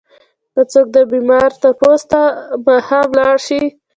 که څوک د بيمار تپوس ته ماښام لاړ شي؛